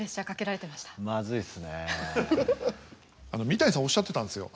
三谷さんおっしゃってたんですよ。